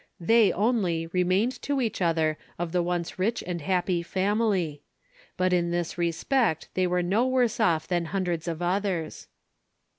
They only remained to each other of the once rich and happy family. But in this respect, they were no worse off than hundreds of others.